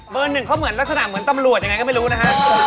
หนึ่งเขาเหมือนลักษณะเหมือนตำรวจยังไงก็ไม่รู้นะฮะ